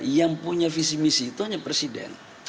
yang punya visi misi itu hanya presiden